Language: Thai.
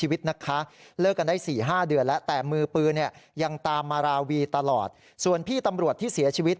วีตลอดส่วนพี่ตำรวจที่เสียชีวิต